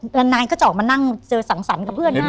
แล้วนายก็จะออกมานั่งเจอสังสรรค์กับเพื่อนได้